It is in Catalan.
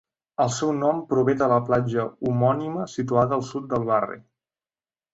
El seu nom prové de la platja homònima situada al sud del barri.